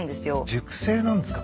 熟成なんですか？